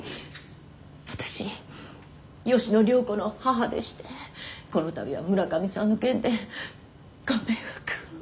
私吉野涼子の母でしてこの度は村上さんの件でご迷惑を。